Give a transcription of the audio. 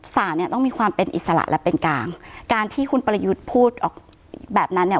สารเนี่ยต้องมีความเป็นอิสระและเป็นกลางการที่คุณประยุทธ์พูดออกแบบนั้นเนี่ย